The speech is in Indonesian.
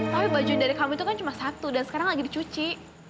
tapi baju dari kamu itu kan cuma satu dan sekarang lagi dicuci